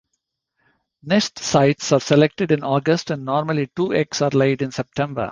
Nest sites are selected in August and normally two eggs are laid in September.